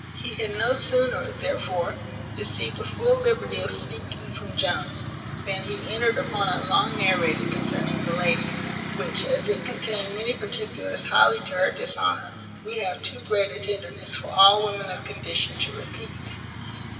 He had no sooner, therefore, received a full liberty of speaking from Jones, than he entered upon a long narrative concerning the lady; which, as it contained many particulars highly to her dishonour, we have too great a tenderness for all women of condition to repeat.